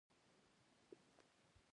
هغه وویل د سیند پورتنۍ خواته ځم.